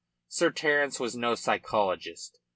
Sir Terence was no psychologist.